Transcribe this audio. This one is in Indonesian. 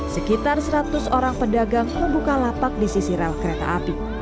sekitar seratus orang pedagang membuka lapak di sisi rel kereta api